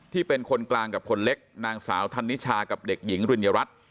เป็นคนกลางกับคนเล็กนางสาวธันนิชากับเด็กหญิงริญญรัฐ